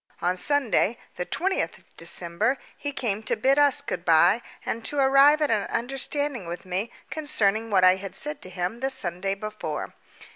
On Sunday, the 20th of December, he came to bid us good bye and to arrive at an understanding with me concerning what I had said to him the Sunday before.